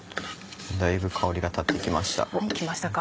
だいぶ香りが立って来ました。来ましたか？